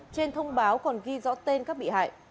trên thông báo còn ghi rõ tên các bị hại